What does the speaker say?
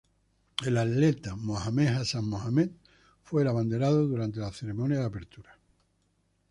El atleta Mohamed Hassan Mohamed fue el abanderado durante la ceremonia de apertura.